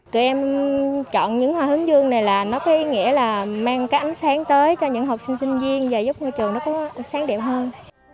tụi em chọn những hoa hướng dương này là nó có ý nghĩa là mang cái ánh sáng tới cho những học sinh sinh viên và giúp ngôi trường nó có sáng đẹp hơn